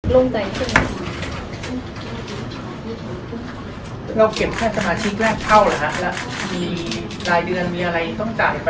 ลงจ่ายให้เป็นไหมคะ